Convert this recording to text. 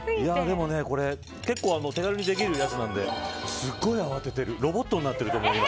これ結構手軽にできるものなのですごい慌ててロボットになってると思う、今。